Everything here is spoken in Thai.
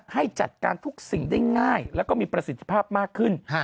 ให้จัดการทุกสิ่งได้ง่ายแล้วก็มีประสิทธิภาพมากขึ้น